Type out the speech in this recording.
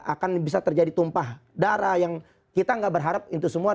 akan bisa terjadi tumpah darah yang kita nggak berharap itu semua